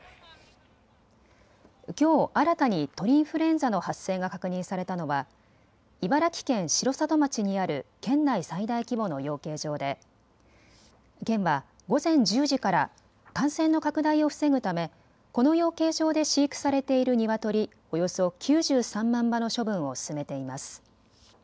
きょう新たに鳥インフルエンザの発生が確認されたのは茨城県城里町にある県内最大規模の養鶏場で県は午前１０時から感染の拡大を防ぐため、この養鶏場で飼育されているニワトリ、およそ９３万羽の処分を進めています。